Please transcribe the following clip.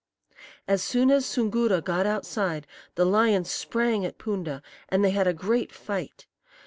"As soon as Soongoora got outside, the lion sprang at Poonda, and they had a great fight.